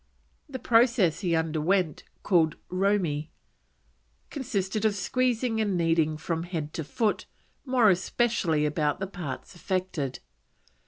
The process he underwent, called Romy, consisted of squeezing and kneading from head to foot, more especially about the parts affected.